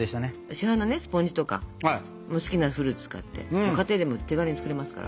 市販のねスポンジとかお好きなフルーツ使って家庭でも手軽に作れますから。